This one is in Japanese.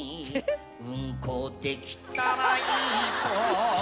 「うんこできたらいいと」